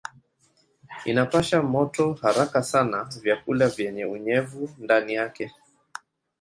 Inapasha moto haraka sana vyakula vyenye unyevu ndani yake.